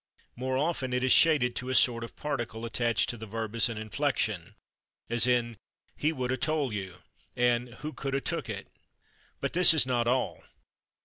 More often it is shaded to a sort of particle, attached to the verb as an inflection, as in "he would '/a/ tole you," and "who could '/a/ took it?" But this is not all.